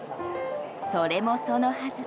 それもそのはず